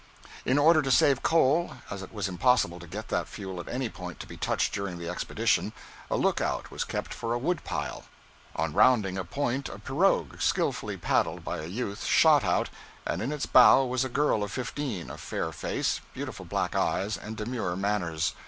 In order to save coal, as it was impossible to get that fuel at any point to be touched during the expedition, a look out was kept for a wood pile. On rounding a point a pirogue, skilfully paddled by a youth, shot out, and in its bow was a girl of fifteen, of fair face, beautiful black eyes, and demure manners.